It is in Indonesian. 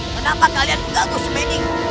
kenapa kalian mengganggu semeningmu